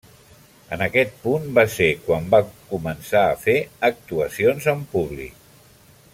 En aquest punt, va ser quan van començar a fer actuacions en públic.